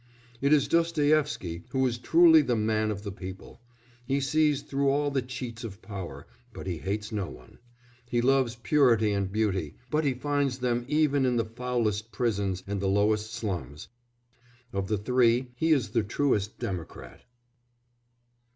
It is Dostoïevsky who is truly the man of the people; he sees through all the cheats of power, but he hates no one; he loves purity and beauty, but he finds them even in the foulest prisons and the lowest slums; of the three he is the truest democrat.